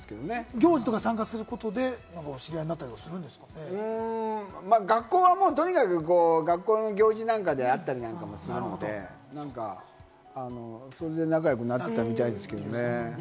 行事とか参加することで知り学校はとにかく学校の行事なんかであったりなんかもするので、それで仲良くなってったみたいですけれどもね。